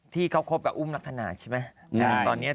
ที่เขาคบกับอุ้มลักษณะใช่ไหม